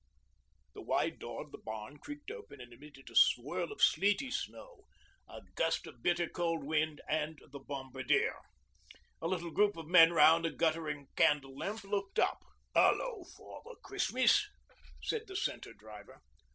COL. The wide door of the barn creaked open and admitted a swirl of sleety snow, a gust of bitter cold wind, and the Bombardier. A little group of men round a guttering candle lamp looked up. 'Hello, Father Christmas,' said the Centre Driver.